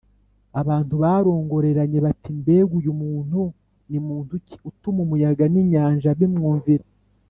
abantu barongoreranye bati: “mbega uyu ni muntu ki, utuma umuyaga n’inyanja bimwumvira?